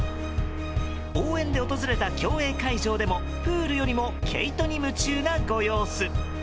応援で訪れた競泳会場でもプールよりも毛糸に夢中なご様子。